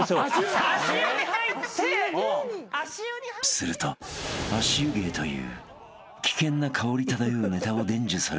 ［すると足湯芸という危険な香り漂うネタを伝授されてしまい］